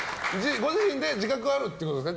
ご自身で自覚があるということですね。